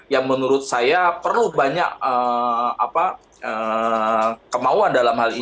yang menurut saya perlu banyak kemauan dalam hal ini